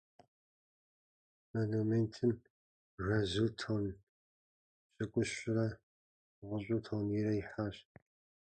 Монументым жэзу тонн пщыкӏущрэ, гъущӀу тоннийрэ ихьащ.